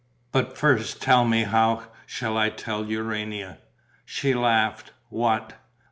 But first tell me, how shall I tell Urania?" She laughed: "What?"